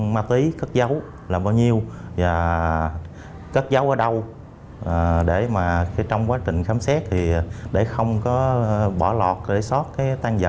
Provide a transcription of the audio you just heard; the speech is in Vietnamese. ma túy cất dấu là bao nhiêu và cất dấu ở đâu để mà trong quá trình khám xét thì để không có bỏ lọt để